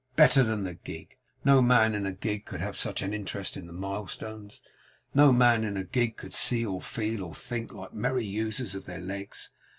Better than the gig! No man in a gig could have such interest in the milestones. No man in a gig could see, or feel, or think, like merry users of their legs.